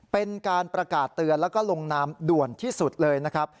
เป็นการประกาศเตือนแล้วก็ลงนามด่วนที่สุดเลยนะครับ